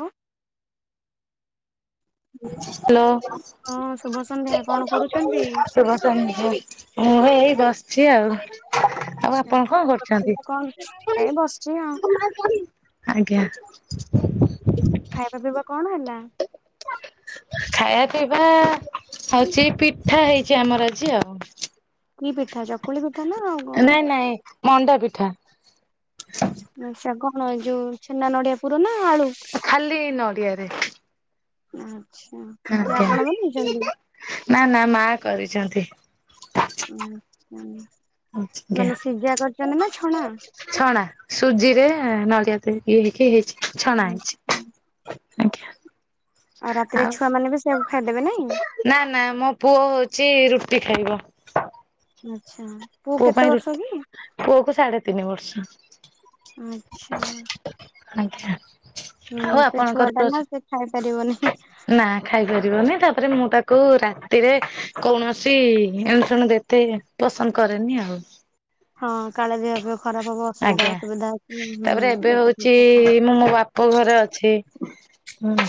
Hello. Hello. ହଁ ସନ୍ଧ୍ୟା କଣ କରୁଛନ୍ତି? ଶୁଭ ସନ୍ଦ୍ୟା ମୁଁ ବସିଛି ଆଉ। ଆଉ ଆଚ୍ଛା। ଆପଣ କଣ ଖାଇବା କରୁଛନ୍ତି? ପିଇବା କଣ ଏ ବସିଛି ଆଉ ଆଜ୍ଞା। ଖାଇବା ପିଇବା କଣ ହେଲା? ଖାଇବା ପିଇବା ହଉଛି ପିଠା ହେଇଛି ଆମର ଆଜି ଆଉ। କି ପିଠା ଚକୁଳି ପିଠା ନା ଆଉ। କଣ? ନାଇଁ ନାଇଁ ମଣ୍ଡା ପିଠା। ସେ କଣ ଯୋଉ ଛେନା ନଡିଆ ପୁର ନା ଆଳୁ? ଖାଲି ନଡିଆରେ। ଆଛା। ଆଜ୍ଞା ନା ନା ମା କରିଚନ୍ତି। ଉ ଆଜ୍ଞା। ମାନେ ସିଜା କରିଚନ୍ତି ନା ଛଣା? ଛଣା ସୁଜି ରେ ନଡ଼ିଆ ଦେଇକି ହେଇକି ହେଇଚି ଛଣା ଆଚ୍ଛା। ହେଇଚି। ଆଜ୍ଞା। ଆଉ ରାତିରେ ଛୁଆ ମାନେ ବି ସେଇଆକୁ ଖାଇଦେବେ ନାଇଁ। ନା ନା ମୋ ପୁଅ ହଉଚି ରୁଟି ଖାଇବ। ଆଛା। ପୁଅ ପାଇଁ ରୁ ପୁଅ କୁ ସାଢେ ତିନି ବର୍ଷ। ଆଚ୍ଛା ଆଛା ଆଉ ଆପଣଙ୍କର ରୋ ଖାଇ ପାରିବନି। ନା ଖାଇପାରିବନି ତାପରେ ମୁଁ ତାକୁ ରାତିରେ କୌଣସି ଏଣ ଶୁଣୁ ଦେତେ ପସନ୍ଦ କରେନି ଆଉ। ହଁ କାଳେ ଦେହ ଫେଅ ଖରାପ ହବ। ଅସୁବିଧା ଆଜ୍ଞା, ଅସୁବିଧା ଅଛି ହୁଁ ତାପରେ ଏବେ ଏଇଟା ଠିକ ହଉଛି କଥା। ମୁଁ ମୋ ବା ପ ଘରେ ଅଛି, ହୁଁ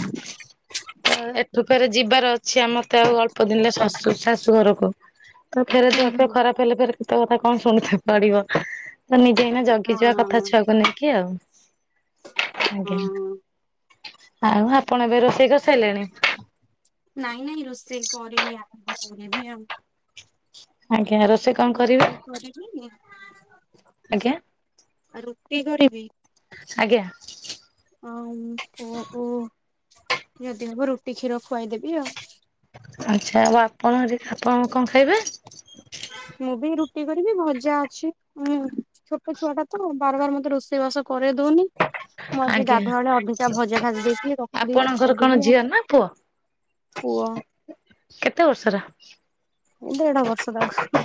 ତ ଏଠୁ ଫେରେ ଯିବାର ଅଛି ଆମ ମତେ ଆଉ ଅଳ୍ପ ଦିନରେ ଶାଶୁ ଶାଶୁ ଘରକୁ। ତ ଫେରେ ହୁଁ ଦେହ ଫେଅ ହୁଁ ଖରାପ ହେଲେ ଫେରେ କେତେ କଥା କଣ ଶୁଣିତେ ପଡିବ। ଯେ ଏଇନା ଜଗିଯିବା କଥା ହଁ ଛୁଆକୁ ନେଇକି ଆଉ। ହଁ ଆଜ୍ଞା ଆଉ ଆପଣ ଏବେ ରୋଷେଇ କରି ସାରଲେଣି? ନାଇଁ ନାଇଁ ରୋଷେଇ କରିନି ଆରମ୍ଭ କରିବି ଆଉ। ଆଜ୍ଞା ର ରୁଟି କରିବି, ଆଜ୍ଞା ଆ ରୁଟି କରିବି। ଆଜ୍ଞା। ଆଉ ପୁଅକୁ ଯଦି ହବ ରୁଟି କ୍ଷୀର ଖୁଆଇଦେବି ଆଉ। ଆଚ୍ଛା ଆଉ ଆପଣ ଏବେ ଆପଣ କଣ ଖାଇବେ? ମୁଁ ବି ରୁଟି କରିବି, ଭଜା ଅଛି ଉଁ ଛୋଟ ଛୁଆ ଟା ତ ବାର ବାର ମତେ ରୋଷେଇବାସ କରେଇ ଦଉନି। ମୁଁ ଆଜି ଆଜ୍ଞା ଗାଧୁଆଳେ ଅଧିକା ଭଜା ଭାଜି ଦେଇଥିଲି ରଖିଦେଇଚି ଆପଣଙ୍କର କଣ ଖାଇଦେବି ଆଉ। ଝିଅ ନା ପୁଅ? ପୁଅ। କେତେ ବର୍ଷର? ଦେଢ଼ ବର୍ଷ ତାକୁ।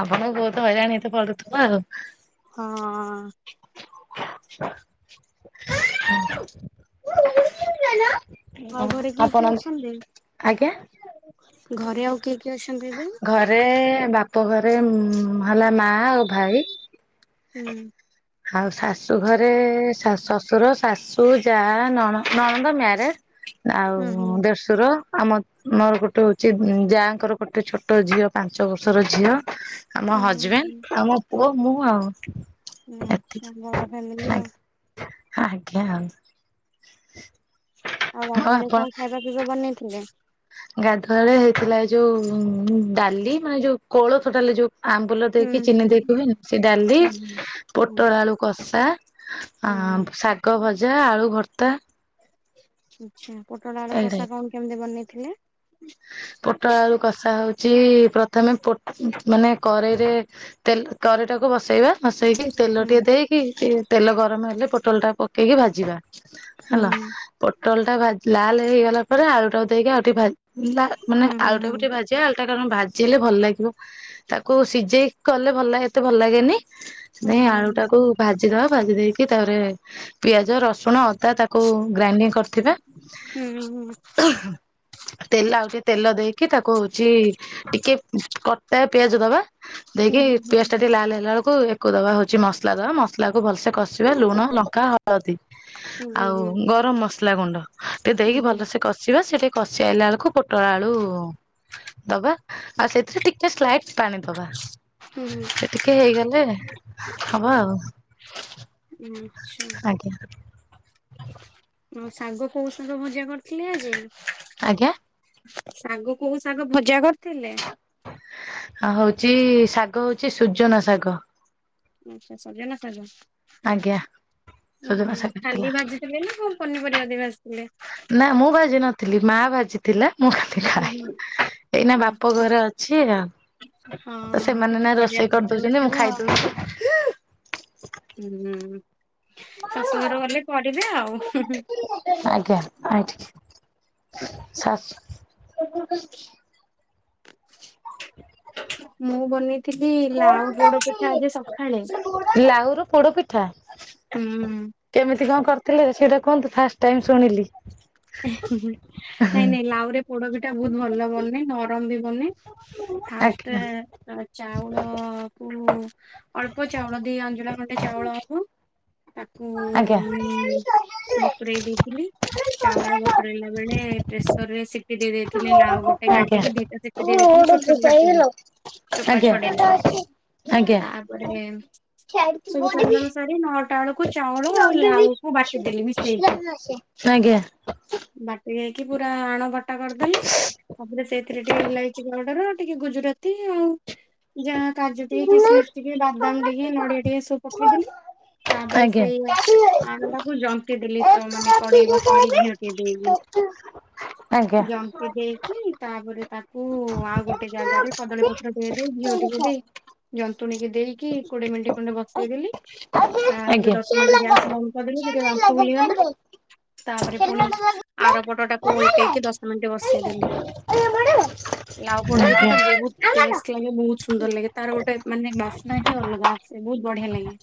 ଆପଣଙ୍କୁ ବହୁତ ହଇରାଣ ହେଇତେ ପଡୁଥିବ ଆଉ। ହଁ। ଆଉ ଘରେ [unintelligible] କିଏ କିଏ ଆପଣ ଅଛନ୍ତି? ଆଜ୍ଞା। ଘରେ ଆଉ କିଏ କିଏ ଅଛନ୍ତି ଏବେ? ଘରେ ବାପ ଘରେ ହେଲା ମା ଆଉ ଭାଇ। ହୁଁ। ଆଉ ଶାଶୁ ଘରେ ଶ୍ୱଶୁର ଶାଶୁ ଯା ନ ନଣନ୍ଦ ମ୍ୟାରେଡ। ହୁଁ ହୁଁ ଆଉ ଦେଢଶୁର ଆମ ମୋର ଗୋଟେ ହଉଛି ଯାଙ୍କର ଗୋଟେ ଛୋଟ ଝିଅ ପାଞ୍ଚ ବର୍ଷର ଝିଅ। ଆମ ଉଁ ହୁଁ ହଜବେଣ୍ଡ ଆଉ ମୋ ପୁଅ ମୁଁ ଆଉ। ଏତିକି ଆଛା ବଡ ଫ୍ୟାମିଲି ଆଉ। ଆଜ୍ଞା ଆଉ। ଆଉ ଗାଧୁଆଳେ କଣ ଖାଇବା ପିଇବା ବନେଇଥିଲେ? ଗାଧୁଆଳେ ହେଇଥିଲା ଏଇ ଯୋଉ ଡାଲି ମାନେ ଯୋଉ କୋଳଥ ଡାଲି ଯୋଉ ଆମ୍ବୁଲ ହୁଁ ଦେଇକି ହୁଁ ଚିନି ହୁଁ ଦେଇକି ହୁଏନି, ସେ ଡାଲି ହୁଁ ହୁଁ। ପୋଟଳ ଆଳୁ କଷା ହୁଁ ହୁଁ ଆ, ହୁଁ ଶାଗ ଭଜା, ଆଳୁ ଭର୍ତ୍ତା, ଆଚ୍ଛା ପୋଟଳ ଆଳୁ କଷା ଏଇଟା। କଣ କେମିତି ବନେଇଥିଲେ? ପୋଟଳ ଆଳୁ କଷା ହଉଚି, ପ୍ରଥମେ ପୋଟ, ମାନେ କରେଇରେ ତେଲ, ତରିଟାକୁ ବସେଇବା, ବସେଇକି ତେଲ ହୁଁ ଟିକେ ଦେଇକି, ତେଲ ଗରମ ହେଲେ, ପୋଟଲ ଟା ପକେଇକି ଭାଜିବା ହୁଁ ହେଲା। ପୋଟଲ ଟା ଭା ଲାଲ ହେଇଗଲା ପରେ, ଆଳୁ ଟାକୁ ଦେଇକି ଆଉ ଟିକେ ଭା, ମାନେ ହୁଁ ଆଳୁ ଟା ବି ଟିକେ ଭାଜି ଜିଆ ଆଳୁ ଟା, କାରଣ ଭାଜି ହେଲେ ଭଲ ଲାଗିବ। ତାକୁ ସିଝେଇ କଲେ ଭଲ ଏତେ ଭଲ, ଏତେ ଭଲ ଲାଗେନି, ହୁଁ ନାଇଁ ଆଳୁ ହୁଁ। ଟାକୁ ଭାଜିଦବା, ଭାଜି ଦେଇକି ତାପରେ, ପିଆଜ ରସୁଣ ଅଦା ତାକୁ ଗ୍ରାଇଣ୍ଡିଙ୍ଗ କରି ହୁଁ। ତେଲ, ଆଉ ଟିକେ ତେଲ ଦେଇକି, ତାକୁ ହଉଛି ଟିକେ କଟା ପିଆଜ ଦବା। ହୁଁ ଦେଇକି, ହୁଁ ପିଆଜ ଟା ହୁଁ ଟିକେ ଲାଲ ହେଲା ବେଳକୁ ୟାକୁ ଦବା। ହଉଛି ମସଲା ଦବା। ମସଲା କୁ ଭଲ ସେ, କ ସେଇବା, ଲୁଣ ଲଙ୍କା ହଳଦୀ ହୁଁ ହୁଁ ହୁଁ ହୁଁ ଆଉ ହୁଁ। ଗରମ ମସଲା ଗୁଣ୍ଡ। ଟିକେ ହୁଁ ଦେଇକି, ହୁଁ ଭଲସେ କସିବା। ସେ ଟିକେ କ, କସିଆଇଲା ବେଳୁକୁ, ପୋଟଳ ଆଳୁ ଦବା। ଆଉ ସେଥିରେ ଟି ଶ୍ଲାଇଟ୍ ପାଣି ଦବା। ହୁଁ ସେ ଟିକେ ହେଇଗଲେ ହବ ଆଉ। ଆଚ୍ଛା। ଆଜ୍ଞା। ଶାଗ, କୋଉ ଶାଗ ଭଜା କରିଥିଲେ ଆଜି? ଆଜ୍ଞା ଶାଗ କୋଉ ଶାଗ ଭଜା କରିଥିଲେ? ଆ ହଉଛି, ଶାଗ ହଉଛି ସୁୂଜନା ଶାଗ। ଆଚ୍ଛା, ସଜନା ଶାଗ। ଆଜ୍ଞା ସୁଜନା ଶାଗ ହେଇଥିଲା ଖାଲି ଭାଜି ଚୁଲି ନା, କଣ ପନିପରିବା ଦେବେ ଭାଜଥିଲେ। ନା, ମୁଁ ଭାଜି ନଥିଲି। ମା ଭାଜିଥିଲା। ମୁଁ ଖା ହୁଁ। ଏଇନା, ବାପ ଘରେ ଅଛି ଆଉ। ତ, ହଁ ସେମାନେ କିଛି ନା ରୋଷେଇ କରିବାକୁ କରିଦଉଚନ୍ତି। ମୁଁ ପଡୁନଥିବ ଖାଇ ଦଉଚି। ହୁଁ। ଶଶୁ ଘର ଗଲେ କରିବେ ଆଉ। ଆଜ୍ଞା। ଆ, ଶାଶୁ ମୁଁ ବନେଇଥିଲି, ଲାଉ ପୋଡ ପିଠା ଆଜି ସଖାଳେ। ଲାଉ ର ପୋଡ ପିଠା। ହୁଁ। କେମିତି କଣ କରିଥିଲେ? ସେଇଟା କୁହନ୍ତୁ। ଫାଷ୍ଟ ଟାଇମ ଶୁଣିଲି। ଆ ହେଁ ହେଁ ନାଇଁ, ନାଇଁ। ଲାଉ ରେ ପୋଡ ପିଠା ବହୁତ ଭଲ ବନେ। ନରମ ବି ବନେ। ଆଜ୍ଞା ଫାଷ୍ଟେ, ଚାଉଳ କୁ ଅଳ୍ପ ଚାଉଳ, ଦି ଆଞ୍ଜୁଳା ଖଣ୍ଡେ ଚାଉଳ ହବ। ତାକୁ ଆଜ୍ଞା। ଆଜ୍ଞା। ଆଜ୍ଞା ଆଜ୍ଞା। ମୁଁ, ବତୁରେଇ ଦେଇଥିଲି। ଚାଉଳ ବତୁରାଇଲା ବେଳେ, ପ୍ରେସର ରେ ସିଟିି ଦେଇ ଦେଇ ଥିଲେ। ଲାଉ ଗୋଟେ କାଟିକି, ଦିଟା ସିଟି ଦେଇଥିଲି। ଛୋଟ, ଛୋଟ କାଟିକି। ଚୋପା ଆଜ୍ଞା। ଛଡେଇକି ତାପରେ ସବୁ କାମ, ଦାମ ସାରି। ନଅଟା ବେଳକୁ, ଆଜ୍ଞା। ଚାଉଳ, ଆଉ ଲାାଉଳକୁ, ବାଟିଦେଲି, ମିଶେଇକି। ଆଜ୍ଞା। ବାଟି ଦେଇକି, ପୁରା ଆଣ ବଟା କରିଦେଲି। ତାପରେ ସେଇଥିରେ, ଟିକେ ଇଲାଇଚି ପାଉଡର, ଟିକେ ଗୁଜୁରାତି, ଆଉ ଯା କାଜୁ ଟିକେ, କିସମିସ୍ ଟିକେ, ବାଦାମ ଟିକେ, ନଡିଆ ଟିକେ, ସବୁ ପକେଇଦେଲି। ତାପରେ, ଆଜ୍ଞା। ସେଇ ଆଣା ଟା କୁ ଜନ୍ତିଦେଲି। ତ ମାନେ କଡେଇ ବ ଟିକେ ଘିଆ ଟିକେ ଦେଇକି। ଜନ୍ତି ଦେଇକି, ତାପରେ ତାକୁ ଆଉ ଗୋଟେ ଜାଗାରେ କଦଳୀ ପତ୍ର ଟିକେ ଦେଇ, ଘିଅ ଟିକେ ଦେଇ ଆଜ୍ଞା। ଜନ୍ତୁଣୀକୁ ଦେଇକି, କୋଡିଏ ମିନିଟ ଖଣ୍ଡେ ବସେଇଦଲି। ତାପରେ ଦଶ ମିନିଟ ଗ୍ୟାସ ବନ୍ଦ କରିଦେଲି। ଟିକେ ବାମ୍ଫ ବୁଲିଗଲା। ତାପରେ ପୁଣି ଆର ପଟ ଟାକୁ ଓଲଟେଇକି ଦଶ ମିନିଟ ବସେଇଦେଲି। ଲାଉ ପୋଡ ପିଠା ଟା ବୋ ବହୁତ ଆଜ୍ଞା। ଟେଷ୍ଟ ଲାଗେ। ବହୁତ ସୁନ୍ଦର ଲାଗେ। ତାର ଗୋଟେ ମାନେ ବାସ୍ନା ହି ଅଲଗା ଆସେ। ବହୁତ ବଢିଆ ଲାଗେ।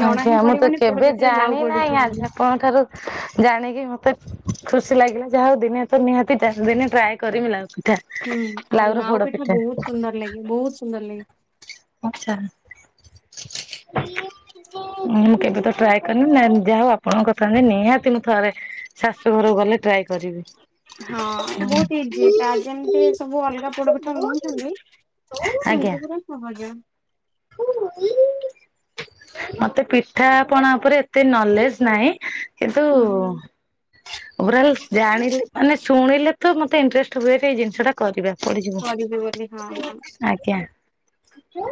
ଜଣା ହିଁ ଆଜ୍ଞା। ମୁଁ ତ ପଡିବନି ପୋଡ କେବେ ପିଠାରେ ଲାଉ ଜାଣି ପଡିଛି ନାହିଁ। ଆଜି ବୋଲି ଆପଣଙ୍କ ଠାରୁ ଜାଣିକି ମତେ ଖୁସି ଲାଗିଲା। ଯାହା ହଉ ଦିନେ ତ ନିହାତି ଦିନେ ଟ୍ରାଏ କରିମି ଲାଉ ପିଠା। ହୁଁ ଆଉ ଲାଉର ଲାଉ ପୋଡ ପିଠା ବହୁତ ସୁନ୍ଦର ଲାଗେ। ବହୁତ ସୁନ୍ଦର ଲାଗେ। ଆଛା। ମୁଁ କେବେ ଟ୍ରା ନା ଯାହା ହଉ ଆପଣଙ୍କ କଥା ନିହାତି ମୁଁ ଥରେ ଶାଶୁ ଘରକୁ ଗଲେ ଟ୍ରାଏ କରିବି। ହଁ ବହୁତ ଇ ଜି। ତାର ଯେମିତି ସବୁ ଅଲଗା ପୋଡପିଠା ବନଉଛନ୍ତି। ଆଜ୍ଞା। ସେମିତି ପୁରା ସହଜ। [unintelligible] ମତେ ପିଠାପଣା ଉପରେ ଏତେ ନଲେଜ ନାହିଁ। କିନ୍ତୁ ହୁଁ ଓଭରଲ୍ ଜାଣିଲେ ମାନେ ଶୁଣିଲେ ତ ମତେ ଇଣ୍ଟରେଷ୍ଟ ହୁଏ। ଏଇ ଜିନିଷଟା କରିବା ପଡିିଯିବୁ। କରିବି ବୋଲି ହଁ ହଁ। ଆଜ୍ଞା ହଁ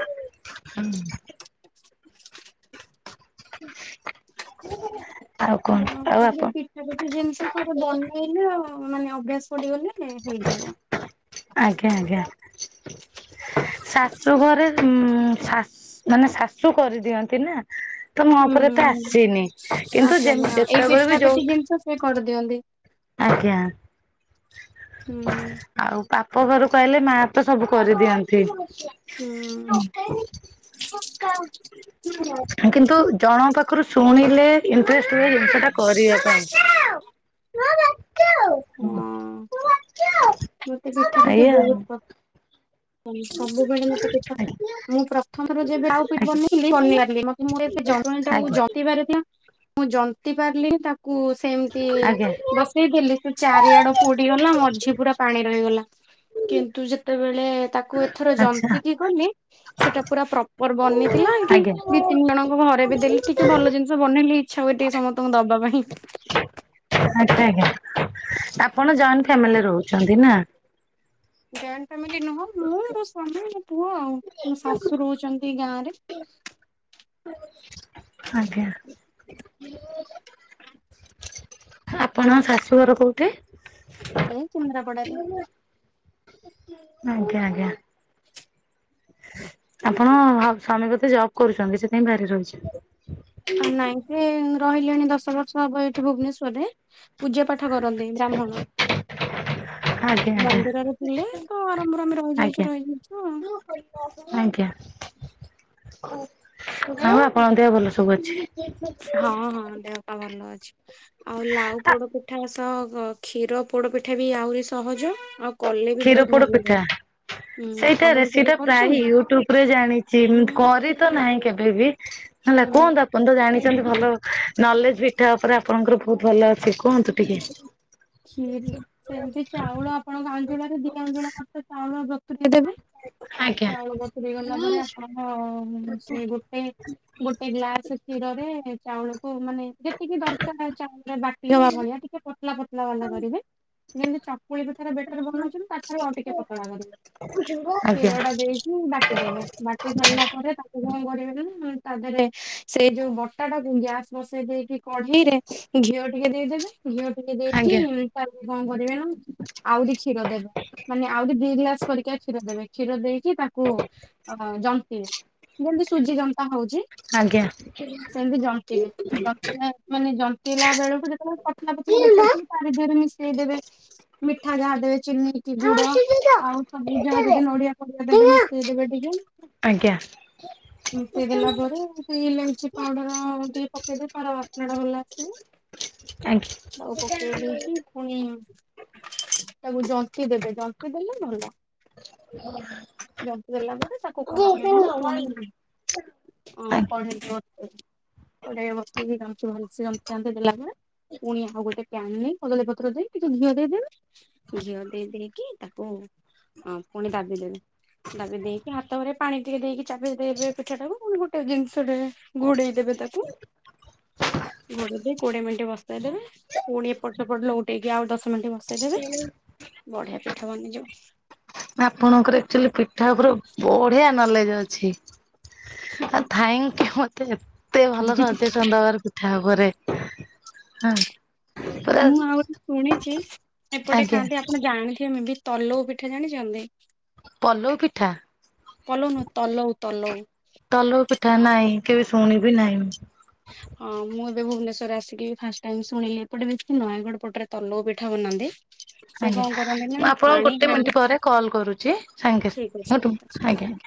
[unintelligible] ଆଉ ପିଠା ଆପଣ ପିଠା ଜିନିଷ ଥରେ ବନେଇଲେ ଆଉ ମାନେ ଅଭ୍ୟାସ ପଡିଗଲେ ହେ ହେଇଯିବ। ଆଜ୍ଞା। ଆଜ୍ଞା। ଶାଶୁ ଘରେ ଉ ଶାଶ ମାନେ ଶାଶୁ କରିଦିଅନ୍ତି। ନା ତ ମୋ ହୁଁ ଉପରେ ତ ହୁଁ। ଆସିନି। କିନ୍ତୁ ଯେ ଆସେନି ହଁ ଏଇ ଯେତେବେଳେ ପିଠା ବି ଯୋଉ ପିଠି ଜିନିଷ ସେ କରିଦିଅନ୍ତି। ଆଜ୍ଞା। ହମ୍ ଆଉ ପାପ ଘର କୁ ଆହିଲେ। ମାଁ ତ ସବୁ କରିଦିଅନ୍ତି। ହୁଁ। ହଁ [unintelligible] କିନ୍ତୁ ଜଣଙ୍କ ପାଖରୁ ଶୁଣିଲେ ଇଣ୍ଟରେଷ୍ଟ ହୁଏ ସେଟା କରିବା ପାଇଁ। ହଁ [unintelligible] ମତେ ପିଠା ପିଠି ଏଇଆ ଆଉ ବହୁତ ପସନ୍ଦ। ସବୁବେଳେ ମତେ ପିଠା ଆଜ୍ଞା। ମୁଁ ପ୍ରଥମରୁ ଯେବେ ଆଉ ପିଠା ଆଜ୍ଞା ବେନେଇଲି ବନେଇ ପାରିଲି। ମତେ ମୋର ଏ ଜନ୍ତଣି ଟା ଆଜ୍ଞା। ଆଚ୍ଛା ଜନ୍ତି ବାରଥିଲା। ମୁଁ ଜନ୍ତି ପାରିଲିନି। ତାକୁ ସେମିତି ଆଜ୍ଞା। ବସେଇଦେଲି ସେ ଚାରିଆଡ ପୋଡିଗଲା। ମଝି ପୁରା ପାଣି ରହିଗଲା। କିନ୍ତୁ ଯେତେବେଳେ ତାକୁ ଏଥର ଜନ୍ତି କିି କଲି। ସେଇଟା ପୁରା ପ୍ରପୋର ବନିଥିଲା। ଏଇଠି ଆଚ୍ଛା ଆଜ୍ଞା ଦି ତିନି ଜଣଙ୍କ ଘରେ ବି ଦେଲି। ଟିକେ ଭଲ ଯ ଜିନିଷ ବନେଇଲେ ଇଚ୍ଛା ହୁଏ ଟିକେ ସମସ୍ତଙ୍କୁ ଦବା ପାଇଁ। ଆଜ୍ଞା। ଆଜ୍ଞା। ଆପଣ ଜଏଣ୍ଟ ଫ୍ୟାମିଲି ରହୁଛନ୍ତି ନା? ଜଏଣ୍ଟ ଫାମିଲି ନୁହଁ। ମୁଁ ମୋ ସ୍ଵାମୀ, ମୋ ପୁଅ ଆଉ ମୋ ଶାଶୁ ରହୁଛନ୍ତି ଗାଁ ରେ। ଆଜ୍ଞା। [unintelligible] ଆପଣଙ୍କ ଶାଶୁଘର କୋଉଠି? ଏଇ କେନ୍ଦ୍ରାପଡାରେ। ଆଜ୍ଞା। ଆଜ୍ଞା। ଆପଣ ସ୍ୱାମୀ ବୋଧେ ଜବ୍ କରୁଛନ୍ତି। ସେଥିପାଇଁ ବାହାରେ ରହିଛନ୍ତି। ଆ ନାଇଁ ସେ ରହିଲେଣି ଦଶ ବର୍ଷ ହବ ଏଠି ଭୁବନେଶ୍ଵରରେ। ପୂଜା ପାଠ କରନ୍ତି। ବ୍ରାହ୍ମଣ। ଆଜ୍ଞା ଆଜ୍ଞା ମନ୍ଦିରରେ ଥିଲେ। ତ ଆରମ୍ଭରୁ ଆମେ ଆଜ୍ଞା। ରହିଯାଇଛୁ, ରହିଯାଇଛୁ ଆଉ। ଆଜ୍ଞା। ଆଉ ଆପଣଙ୍କ ଦେହ ଭଲ ସବୁ ଅଛି। ହଁ ହଁ ଦେହପା ସବୁ ଭଲ ଅଛି। ଆଉ ଲାଉ ଆ ପୋଡ ପିଠା ସହ କ୍ଷୀର ପୋଡ ପିଠା ବି ଆହୁରି ସହଜ। ଆଉ କଲେ ବି କ୍ଷୀର ବହୁତ ପୋଡ ଭଲ ଲାଗେ। ପିଠା ହୁଁ ସେଇଟା ଆପଣ କେବେ ରେସିଟା ପ୍ରାଇ କରିଛନ୍ତି? ୟୁଟ୍ୟୁବ ରେ ଜାଣି ଛି କରି ତ ନାହିଁ କେବେ ବି ହେଲା ହୁଁ କିହନ୍ତ ଆପଣ ତ ଜାଣିଛନ୍ତି ଭଲ ନଲେଜ ପିଠା ଉପରେ ଆପଣଙ୍କର ବହୁତ ଭଲ ଅଛି କୁହନ୍ତୁ ଟିକେ। କ୍ଷୀରି ସେମିତି ଚାଉଳ ଆପଣଙ୍କ ଅଞ୍ଜିଲରେ ଦିଟା ଅଞ୍ଜଳୀ ମତ ଚାଉଳ ବତୁରେଇ ଦେବେ। ଆଜ୍ଞା। ଚାଉଳ ବତୁରି ଗଲା ପରେ ଆଣ ସେ ଗୋଟେ ଗୋଟେ ଗ୍ଲାସ କ୍ଷୀରରେ ଚାଉଳକୁ ମାନେ ଯେତିକି ଦରକାର ଚାଉଳରେ ବାଟି ହବା ଭଳିଆ ଟିକେ ପତଲା ପ ତଲାଵାଲା କରିବେ ଯେମିତି ଚକୁଳି ପି ର ବେଟର ବନଉଛନ୍ତି ତା ପରେ ଆଉ ଟିକେ ପତଳା କରିବେ ଆଜ୍ଞା। କ୍ଷୀର ଟା ଦେଇକି ବାଟିଦେବେ। ବାଟି ସରିଲା ପରେ ତାକୁ କଣ କରିବେ ନା ନା ତା ଦେହରେ ସେଇ ଯୋଉ ବଟା ଟାକୁ ଗ୍ୟାସ୍ ବସେଇ ଦେଇକି କଢେଇରେ ଘିଅ ଟିକେ ଦେଇଦେବେ ଘିଅ ଟିକେ ଦେଇକି ଆଜ୍ଞା ତାପରେ କଣ କରିବେ ନା ଆଉ ଟିକେ କ୍ଷୀର ଦେବେ। ମାନେ ଆଉରି ଦି ଗ୍ଲାସ ପରିକା କ୍ଷୀର ଦେବେ। କ୍ଷୀର ଦେଇ କି ତାକୁ ଅ ଜନ୍ତେଇବେ ଯେମିତି ସୁଜି ଜନ୍ତା ହଉଛି। ଆଜ୍ଞା। ସେମିତି ଜନ୍ତେଇବେ ମାନେ ଜନ୍ତେଇଲା ବେଳକୁ ଯେତେବେଳେ ପତଳା ପାତାଳ ଦେଖା ଆଜ୍ଞା। ଖା ପାଣି ଦେହରେ ମିଶେଇ ଦେବେ ମିଠା ଯାହା ଦେଇ ଚିନି ମୁଁ ଗୁଡ ଆଉ ସବୁ ଯାହା ଯଦି ନଡିଆ ପକେଇ ଦେବେ ମିଶେଇଦବେ ଟିକେ। ଆଜ୍ଞା। ମିସେଇ ଦେଲା ପରେ ସେ ଲେଚି ପାଉଡର ଟିକେ ପକେଇଦେବେ ତାର ବାସ୍ନା ଟା ଭଲ ଆସିବ। ଆଜ୍ଞା। ତାକୁ ପକେଇ ଦେଇଛି ପୁଣି ତାକୁ ଜନ୍ତି ଦେବେ ଜନ୍ତି ଦେଲେ ଭଲ। ଜନ୍ତି ଦେଲା ପରେ ତାକୁ କଣ କରିବା ନା ମୁଁ ପୁଣି ଓ କଢେଇ ବସେ। କଡେଇ ବସେଇକି ଗାମୁଚ ଭଲ ଗାମୁଥାନ୍ତେ ଦେଲାବେଳେ ପୁଣି ଆ ଆଉ ଗୋଟେ ପ୍ୟାନ ନେଇ କଦଳୀ ପତ୍ର ଦେଇ ଟିକେ ଘିଅ ଦେଇଦବେ ଘିଅ ଦେଇ ଦେଇେଇକି ତାକୁ ହଁ ପୁଣି ଦାବି ଦେବେ ଦାବି ଦେଇକି ହାତ ଘରେ ପାଣି ଟିକେ ଦେଇକି ଚାବି ଦେଇବେ ପିଠା ଟାକୁ ଗୋଟେ ଜିନିଷଟାରେ ଘୋଡେଇ ଦେବେ ତାକୁ ଘୋଡେଇ ଦେଇ କୋଡିଏ ମିନିଟ ବସେଇ ଦେବେ। ପୁଣି ଏପଟ ସେପଟ ଲଉଟେଇକି ଆଉ ଦଶ ମିନିଟ ବସେଇଦେବେ ବଢିଆ ପିଠା ବନିଯିବ। ଆପଣଙ୍କର ଆକଚୁଆଲି ପିଠା ଉପରେ ବଢିଆ ନଲେଜ ଅଛି। ଥାଙ୍କୟୁ ମତେ ଏତେ ଭଲ ସଜେ ଚନ୍ଦା ଘରେ ପିଠା ଉପରେ ହୁଁ। ମୁଁ ଆଉ ଗୋଟେ ଶୁଣିଛି ଏପଟେ ଆଜ୍ଞା ଖାଆନ୍ତି ଆପଣ ଜାଣିଥିବେ ମୁ ବି ତଲଉ ପିଠା ଜାଣିଛନ୍ତି? ପଲଉ ପିଠା ପଲଉ ନୁହଁ ତଲଉ ତଲଉ ତଲଉ ପିଠା ନାହିଁ କେବେ ଶୁଣିବି ନାହିଁ। ହଁ ମୁଁ ଏବେ ଭୁବନେଶ୍ୱରରେ ଆସିକି ଫାଷ୍ଟ ଶୁଣିଲି ଏପଟେ ବି ନୟାଗଡ଼ ପଟରେ ତଲଉ ପିଠା ବନାନ୍ତି। ସେ ଆଜ୍ଞା କଣ କରନ୍ତି ନା ମୁଁ ଆପଣଙ୍କୁ ପାଣି ଗୋଟେ ହାଣ୍ଡି ମିନିଟ୍ ପରେ କଲ୍ କରୁଛି ସାଙ୍ଗେ ଠିକ ଅଛି ଠିକ ଅଛି। ଆଜ୍ଞା ଆଜ୍ଞା।